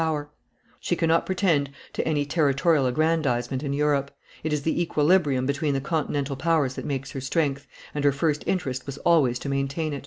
War brings her no advantage; she cannot pretend to any territorial aggrandizement in Europe; it is the equilibrium between the continental powers that makes her strength, and her first interest was always to maintain it.